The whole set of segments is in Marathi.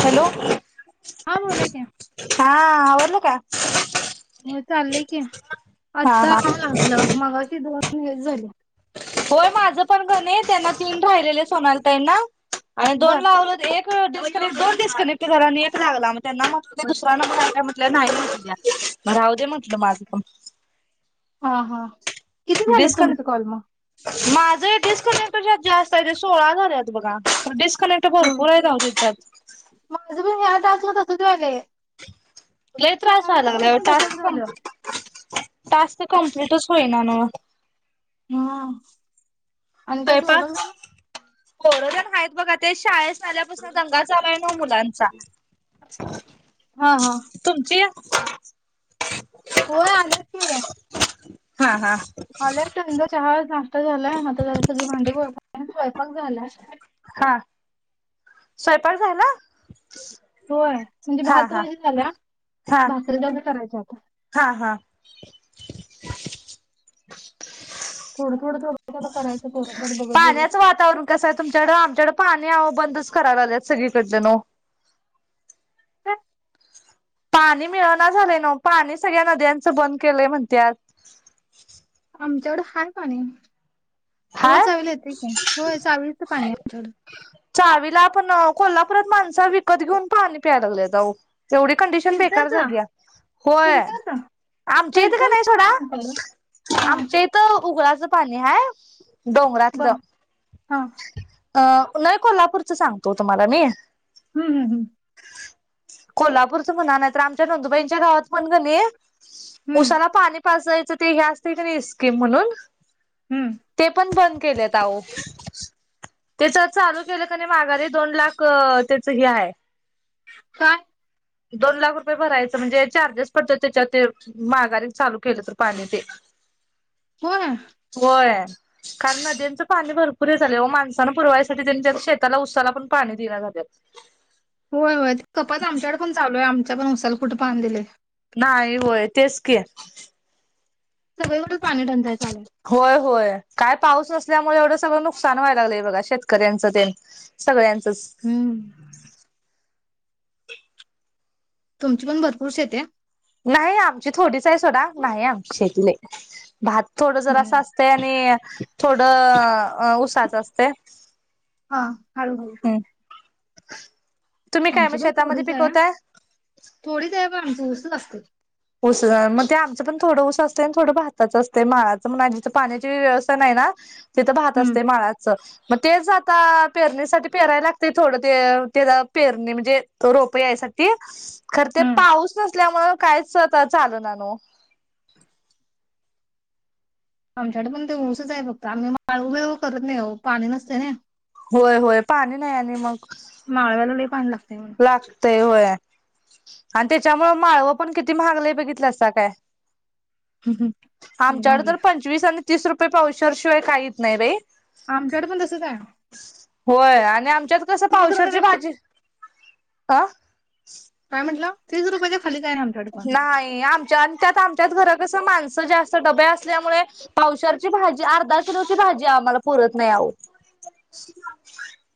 हॅलो! हा बोला की हा आवरलं काय? हो चाललंय की, आत्ता हा लागलं मगाशी दोन मिस झाली. होय माझं पण काने त्यनं तीन राहिलेले सोनाल तईंना आणि दोन बर लावलो एक डकनेट दोर डिकनेक्ट करा य एक लागला मग त्यांना म्हटलं दुसरा नंबर हाय का, आपल्याला नाही म्हटल्या. मं राहू दे या म्हटलं माझं पण. हा हा किती झालं तुमचं डिस्कनेक्ट कॉल मं? माझं डिस्कनेक्ट जे जास्त आहे. ते सोळा झालेत बघा. डिस्कनेक्ट हो भपूर आहेत आहो तेज्यात. तू तसंच वालंय. लई त्रास व्हायलागलंय अहो. पण तसंच टास्क झालं कम्प कंपंलिटचं होईना नन हा आणि त्याच [inaudible] स्वयंपाक पोरं तेन आहेत बघा ते शाळेत झाल्यापसून दंगा चालूय नवं मुलांचा. हा हा तुमची? [unintelligible] होय आल्यात कि. हा हा आल्यात चहा, नाश्ता झालाय. आता झा सगळी भांडे गोळा स्वयंपाक झालाय. हा स्वयंपाक झाला? होय. म्हणजे हा हा भात-भाजी झाल्या. हा भाकरी तेवढं करायची आता. [inaudible] थोडं-थोडं-थोडं-थोडं कराय पाण्याचं वातावरण कसं हाय तुमच्याकं आमच्याक पाणी आहो बंदच करायला लागल्याय सगळीकडचं न हा पाणी मिळना झालंय नवं. पाणी सगळ्या नद्यांच बंद केलंय म्हणत्यात. आमच्याकडं हाय पाणी. रोज हाय चावीला येतंय की होय चावीचं पाणी ये आमच्या कडं चावीला आपण कोल्हापुरात माणसं विकत घिऊन पाणी प्यायला लागल्यात आहो. तेवढी कंडिशन बेकार फिल्टरचा झाल्या. होय. फिल्टरचा आमच्या इथं कने फिल्टरचं सोडा, आहे आमच्याकडं हा आमच्या इथं उघड चं पाणी हाय डोंगरातलं बर हा. अं उन्हाळी कोल्हापूरचं सांगतो तुम्हाला मी हम-हम-हम कोल्हापूरच म्हणा नाही तर आमच्या नंदुबाईंच्या गावात पण कने हम्म उसाला पाणी पाचायचं ते हे असतंय कने स्कीम म्हणून हम्म ते पण बंद केल्यात आहो. त्याच चालू केलं क माघारी दोन लाख त्याचं हे हाय काय? दोन लाख रुपये भरायचं म्हणजे चार्जेस पडत्यात त्याच्यात ते माघारी चालू केलं तर पाणी ते. [unintelligible] होय का नद्याच पाणी भरपूर, पुरे झाले व माणसान पुरवाईसाठी त्यांनी त्या शेताला उसाला पण पाणी दिल्या नाही झाल्यात. होय होय ते कपात आमच्याकड पण चालोय आमच्या पण उसाला कुठ पाणी दिलय. नाही होय तेच के सगळीकडे पाणी टंचाई चालू आहे होय होय काय पाऊस असत. त्यामुळे एवढं सगळं नुकसान व्हाय लागलंय बघा शेतकऱ्यांचं ते सगळ्यां हम्म तुमची पण भरपूर शेतीये नाही आमची थोडीच आहे सोडा नाही आमची शेती नाही भात थोडं जर असं हम्म असतय आणि थोडं अ उसाचं असतय हा हळू हळु तुम्ही काय म शेतामध्ये थोडीच आहे पिकवताय थोडीच आहे पण आमची ऊसच असते ऊस मग ते आमचं पण थोडं उसं असतय आणि थोडं भातचं असतय माळाचं पण आजीथ पाण्याची व्यवस्था नाही तिथ भात हम्म असतय माळाच मग तेच आता पेरणीसाठी पेरायला लागतय थोडं ते ते पेरणे म्हणजे रोप यायसाठी खर ते हम्म पाऊस नसल्यामुळ कायच चाल ना न आमच्याकडे पण ते ऊसच आहे फक्त आम्ही माळ उमेळ करत नाही पाणी नसतय ना होय होय पाणी नाही आणि मग माळव्याला लई पाणी लागते लागतय होय आणि त्याच्यामुळे माळवं पण किती महागलय बघितलं असता काय म्हणून लई आमच्याकडे मागणी तर पंचवीस आणि तीस रुपये पावशर शिवाय काहीच नाहीरे आमच्याकडे पण तसंच आहे. होय आणि आमच्यात कसं तीस पावशरची रुपयापेक्षा भाजी अ काय म्हटलं तीस रुपयाच्या खाली काय नाही आमच्याकडे पण. नाही आमच्या अन त्यात आमच्याच घर कस माणसं जास्त डब्या असल्यामुळे पावशरची भाजी अर्धा किलोची भाजी आम्हाला पुरत नाहीओ [unintelligible]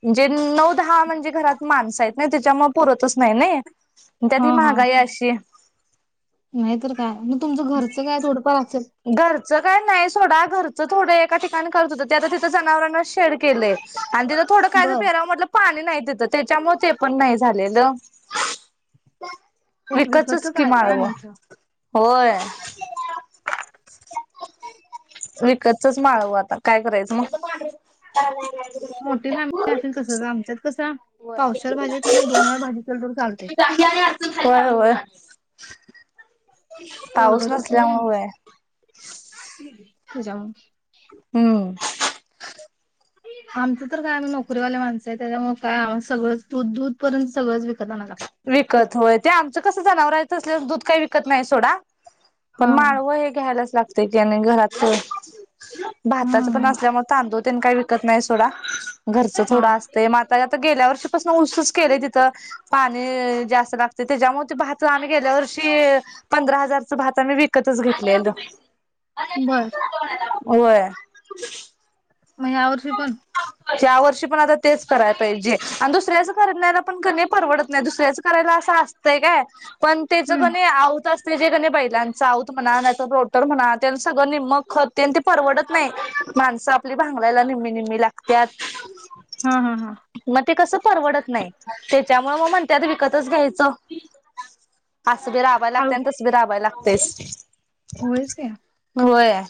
म्हणजे नऊ हा म्हणजे घरात माणस आहेत ना त्याच्यामुळे पुरतच नाही नाही त्या हा ती हा महागाई अशी नाहीतर काय मग तुमचं घरचं काय थोडंफार असेल घरचं काय नाही सोडा घरचं थोडं एका ठिकाणी करत होतं ते आता तिथं जनावरांना शेड केलंय आणि तिथं थोडं कायं बरं पेराव म्हटलं पाणी नाही तिथं त्याच्या मुळे ते पण नाही झालेलं विकतची विकतचं काय स्कीम काय हायओ आणायचं होय विकतचच माळव आता काय करायचं मग मोठी फॅमिली असेल तस आमच्यात कसं होय पावशेर भाजीतलं म दोन वेळा भाजीतलं तर चालते होय पाऊस चौघच असतोय ना आम्ही नसल्यामुळे जाऊ हम्म आमचं तर काय आम्ही नोकरीवाल्या माणसं आहे त्याच्यामुळे काय सगळंच दू दूध पर्यंत सगळंच विकत आणावं लाग विकत होय ते आमचं कसं जनावर आहेचं असल्याच दूध काही विकत नाही सोडा पण हा. माळव हे घ्यायलाच लागतय त्याने घरात भाताच पण हम्म असल्यामुळे तांदूळ त्यांनी काही विकत नाही सोडा घरचं हा थोडं असतं मग आता गेल्या वर्षीपासून उसच केलेय तिथं पाणी नी जास्त लागत त्याच्यामुळे भात आम्ही गेल्या वर्षी पंधरा हजारच भात आम्ही विकतच घेतल ल बर होय मग या वर्षी पण त्या वर्षी पण आता तेच करायला पाहिजे आणि दुसऱ्याच कराण्याला पण करणं परवडत नाही दुसऱ्याच करायला असं असतंय काय पण त्याच हम्म कने आवताच ते जे कणी बैलांचं आऊत म्हणा नाहीतर रोटर म्हणा त्यां सगळं निम्मं खत तेन ते परवडत नाई माणसं आपली भांग यला निम्मी निम्मी लागत्यात हा हा हा म ते कसे परवडत नाही तेच्या त्यामुळे म म्हणतत विकतच घ्यायचं हस बी राबाय लागतय हळू आणि तस बी राबाय लाग तेच होयच की. होय.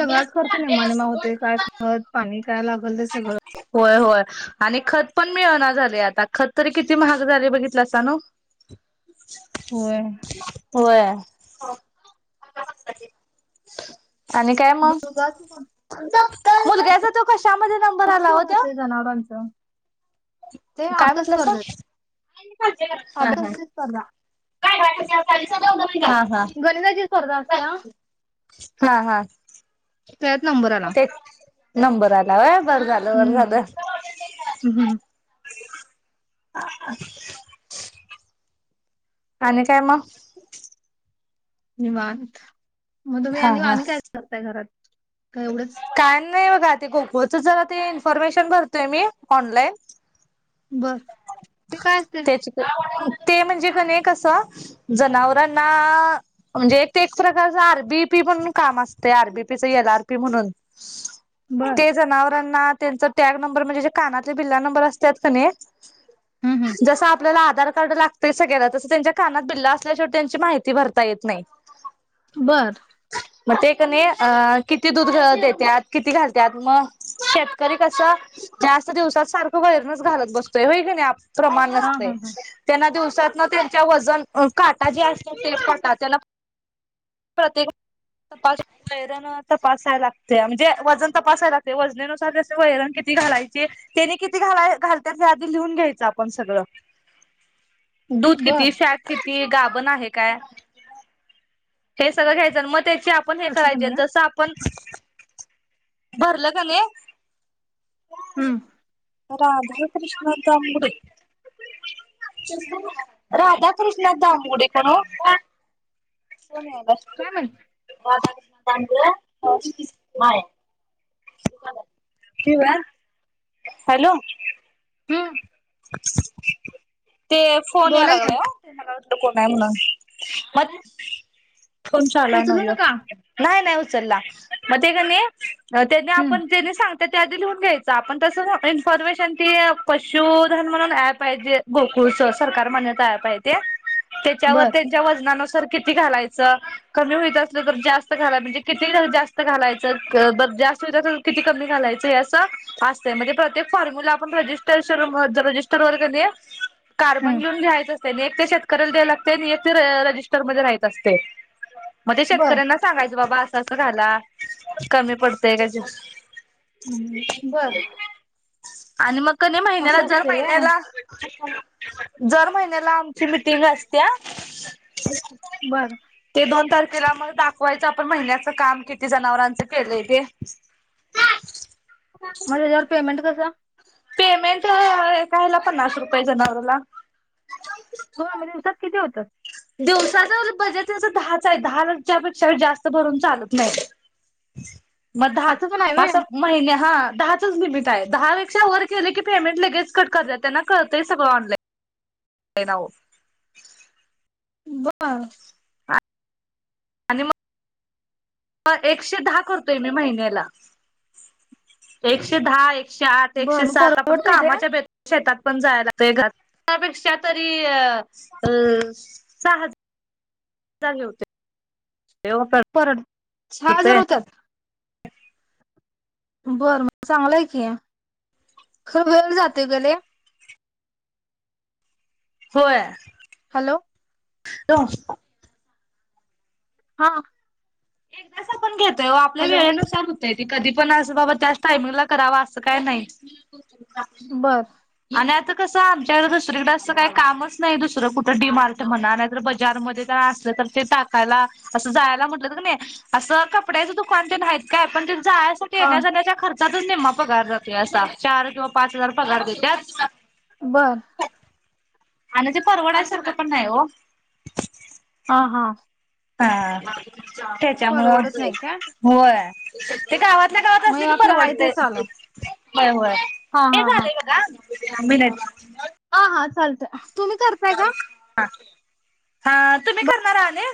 सगळाच खर्च निम्मा निम्मा होतय काय खळत पाणी काय लागल ते सगळं. होय होय आणि खत पण मिळाणा झालय आता खत तरी किती महाग झालय बघितलासा नुं. होय. होय आणि काय मग दुधाच दुधच मुलग्याचा तो कशामध्ये नंबर आला ओ कसं तो? असते जनावरांचं ते काय अभ्यास म्हटलं सा? स्पर्धेत [unintelligible] हा हा. अभ्यासाची स्पर्धा काय [unintelligible] हा हा. गणिताची स्पर्धा असत्या काय हा हा. त्यात नंबर आला. ते नंबर आला होय बरं झालं बर हम्म झालं. [inaudible] आणि काय मग? निवांत म तुम्ही हा आणिव हा आणि काय करताय घरात? का एवढंच काय नाही बघा ते गोकुळच जरा ते इन्फॉर्मेशन भरतोय मी ऑनलाईन. बर ते काय असतय? त्याच ते म्हणजे कने असं जनावरांना म्हणजे एक ते प्रकारच आर, बी, पी पी म्हणून काम असतय आर, बी, पी, च एल, आर, पी म्हणून. बर ते जनावरांना त्यांचा टॅग नंबर म्हणजे जे कानातले बिल्ला नंबर असत्यात कने हम्म हम्म. जस आपल्याला आ आधार कार्ड लागते सगळ्याला तसं त्यांच्या कानात बिल्ल असल्या शेवट त्यांची माहिती भरता येत नाही. बर म ते कने अ किती दूध देत्यात किती घालत्यात मग शेतकरी कसं जास्त दिवसात सारखं वैरनच घालत बस तोय व्हय कनि प्रमाण हा नसतय हा हा त्यांना दिव त्यांच्या वजन काटा जे असत ते कटा त्याला प्रतेक [unintelligible] वैरण तपासाय लागत्या म्हणजे वजन तपासाय लागतय वजनेनुसार त्यास्नी वैरण किती ती घालायचे तेनी किती घालाय घालत्यात ते लिहून घ्यायच आपण सगळ दूध बर किती, फॅट किती, गाबण आहे काय हे सगळ घ्यायचं मग त्याची आपण हे असं करायची म्हणा आणि ना. जस आपण भरलं कने हम्म. राधाई कृष्णात जांबुडे. राधा कृष्णात दामबुडे कोण ओ? काय म्हण [inaudible] [unintelligible] हॅलो. हम्म ते फोन या बोला घ्या लागलाय ओ. कोण हाय म्हणून मत फोन चालू हाय नव्ह उचलू ह्यो नका नाय नाय उच चल्ला म कनि अ तेनी हम्म आपण तेनी सांग त्यात ते आधी लिहून घ्यायचं आपण तसच इन्फॉर्मेशन ती पशू धन म्हणून ऍप आहे जे गोकुळच सरकार मान्यता ऍप आहे ते. तेच्यावर बर त्यांच्या वजनानुस तर किती घालायच कमी होइत असलं तर जास्त घाला म्हणजे कती ढ जास्त घालायच क दद जास्त हुईत असल किती कमी घालायचं हे असं असतय म्हणजे प्रत्येक फॉर्म्युला आपण रिस्टर शुरुमध च रजिस्टर वरकानही कार्बन हम्म घेऊन लिहायचं त्यांनी एक ते शेतकऱ्याला द्याय लागतय आणि एक ते रजिस्टरमध्ये राहीत असतय. म ते बर शेतकऱ्यांना सांगायचं बाबा असं असं घाला कमी पडतंय का बर आणि मग कने महिन्याला असं दर असते व्हय? महिन्याला दर महिन्याला आमची मिटिंग असत्या. बर. ते दोन तारखेला मग दाखवायचं आपण महिन्याचं काम किती जनावरांचं केलंय ते. [inaudible] मग त्याच्यावर पेमेंट कसं? पेमेंट एका ह्याला पन्नास रुपये जनावराला. होय मग दिवसात किती होतात दिवसाचं बजेट असं दहाच आहे दहालाच्यापेक्षा जास्त भरून चालत नाही मग दहाच असं पण आहे व्हय असं महिने हां दहाचच लिमिट आहे दहापेक्षा वर केलं की पेमेंट लगेच कट करत्यात त्यांना कळतंय सगळं ऑनलाईन होय ना ओ बरं आणि मग एकशे दहा करतोय मी महिन्याला एकशे दहा एक एकशे आठ बर एकशे मग सात आपण परवडतंय ते कामाच्या शेतात पण जाय लागत घरापेक्षा तरी अ सहा सुद्धा हे होतंय परत सहा हजार होत्यात बरं मग चांगलंय की खरं वेळ जातोय गं लैई होय हॅलो हॅलो हा एकदाच आपण घेतोय ओ आपल्या हॅलो वेळेनुसार कधी पण असं बाबा त्याच टायमिंग ला करावं असं काय नाही बर आणि आता कसं आमच्याकडं दुसरीकडं असं काही कामच नाही दुसरं कुठं डी मार्ट म्हणा नाहीतर बजार मध्ये काय अस तर ते टाकायला असं जायला म्हटलं तर कनी असं कपड्याचं दुकान तेन आहेत काय पण ते जायसाठी हा येण्या जाण्याच्या खर्च चातच निम्मा पगार जातोय असा चार किंवा पाच हजार पगार देत्यात बर आणि ते परवडायसारखं पण नाही ओ हां हा परवडत त्याच्यामुळं नाही काय होय ते गावात ल्या गावात मग हे असलं की आपलं आहे ते परवडतंय चालू आहे होय होय हा हे हा हा झालंय बघा या महिन्यात हा हा चालतंय तुम्ही करताय का हा हा तुम्ही करणारा आणि